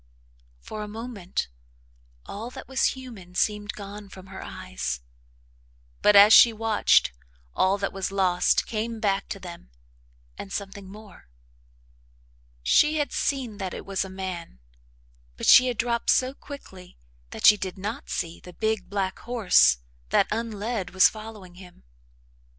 For a moment, all that was human seemed gone from her eyes, but, as she watched, all that was lost came back to them, and something more. She had seen that it was a man, but she had dropped so quickly that she did not see the big, black horse that, unled, was following him.